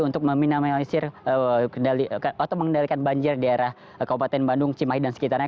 untuk meminam melisir atau mengendalikan banjir di daerah kabupaten bandung cimai dan sekitarnya